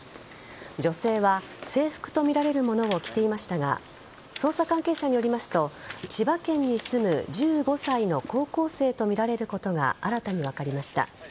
女性は、制服とみられるものを着ていましたが捜査関係者によりますと千葉県に住む１５歳の高校生とみられることが新たに分かりました。